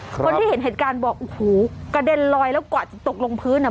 คนที่เห็นเหตุการณ์บอกโอ้โหกระเด็นลอยแล้วกว่าจะตกลงพื้นอ่ะ